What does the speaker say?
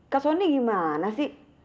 kak sony gimana sih